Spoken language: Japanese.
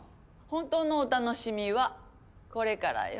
本当のお楽しみはこれからよ。